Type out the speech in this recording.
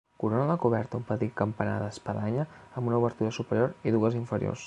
Corona la coberta un petit campanar d'espadanya amb una obertura superior i dues d'inferiors.